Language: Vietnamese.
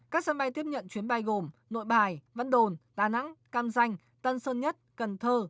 các sân bay tiếp nhận chuyến bay gồm nội bài vân đồn đà nẵng cam danh tân sơn nhất cần thơ